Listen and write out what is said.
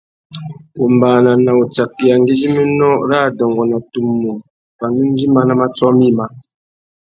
Wombāna na utsakeya ngüidjiménô râ adôngô na tumu pandú ngüima na matiō mïmá.